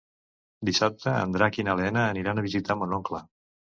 Dissabte en Drac i na Lena aniran a visitar mon oncle.